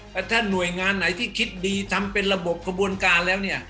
แต่ถ้าหน่วยงานไหนที่คิดดีทำเป็นระบบกระบวนการแล้วเนี่ย